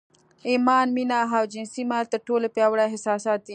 ايمان، مينه او جنسي ميل تر ټولو پياوړي احساسات دي.